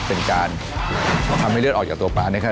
เป็นการทำให้เลือดออกจากตัวปลานะครับ